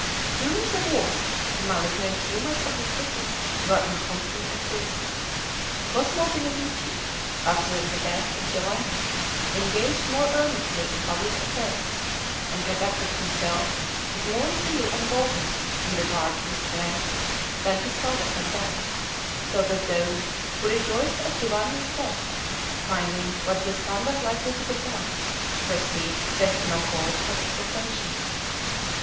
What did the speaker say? During the war the malignant humors of the city were in constant activity. Cosmo de' Medici, after the death of Giovanni, engaged more earnestly in public affairs, and conducted himself with more zeal and boldness in regard to his friends than his father had done, so that those who rejoiced at Giovanni's death, finding what the son was likely to become, perceived they had no cause for exultation.